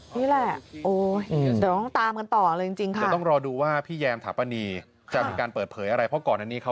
นี่แหละเดี๋ยวต้องตามกันต่อเลยจริงค่ะ